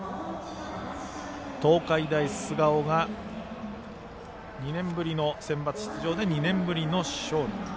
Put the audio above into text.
東海大菅生が２年ぶりのセンバツ出場で２年ぶりの勝利。